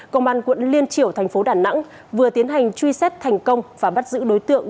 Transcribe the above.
công an quận liên triểu thành phố đà nẵng vừa tiến hành truy xét thành công và bắt giữ đối tượng